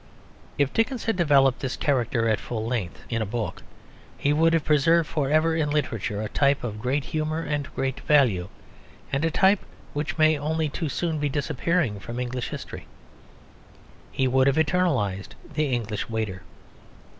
If Dickens had developed this character at full length in a book he would have preserved for ever in literature a type of great humour and great value, and a type which may only too soon be disappearing from English history. He would have eternalised the English waiter.